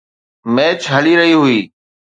Match هلي رهي هئي.